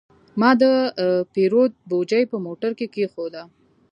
ما د پیرود بوجي په موټر کې کېښوده.